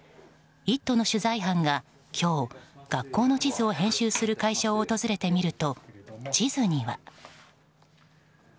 「イット！」の取材班が今日学校の地図を編集する会社を訪れてみると地図には。